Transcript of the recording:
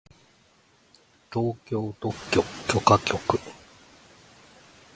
東京特許許可局